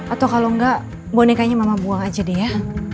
atau kalau enggak bonekanya mama buang aja deh ya